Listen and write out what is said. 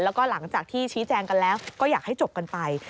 แล้วก็หลังจากที่ชี้แจงกันแล้วก็อยากให้จบกันไป